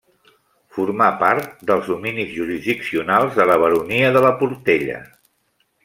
Formà part dels dominis jurisdiccionals de la baronia de la Portella.